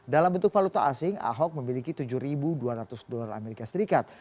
dalam bentuk valuta asing ahok memiliki tujuh dua ratus dolar amerika serikat